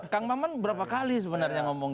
kang maman berapa kali sebenarnya ngomong